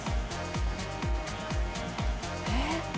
えっ？